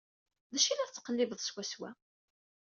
D acu i la tettqellibeḍ swaswa?